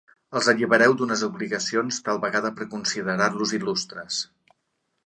Els allibereu d'unes obligacions, tal vegada per considerar-los il·lustres.